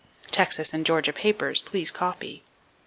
Texas and Georgia papers (please copy.)